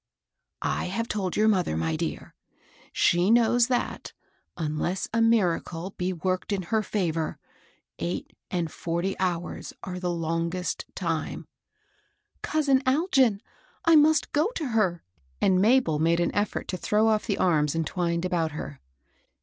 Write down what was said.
" I have told your mother, my dear. She knows that, unless a miracle be worked in her favor, eight and forty hours are the longest time "—*' Cousin Algin, I must go to her !" and Mabel made an effort to throw off the arms entwined about her.